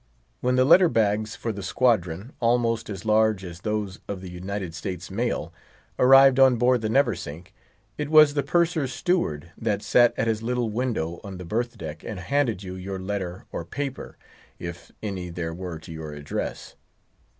When the letter bags for the squadron—almost as large as those of the United States mail—arrived on board the Neversink, it was the Purser's Steward that sat at his little window on the berth deck and handed you your letter or paper—if any there were to your address.